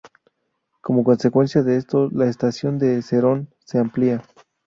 Como consecuencia de esto, la estación de Serón se amplía.